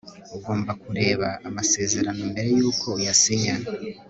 ugomba kureba amasezerano mbere yuko uyasinya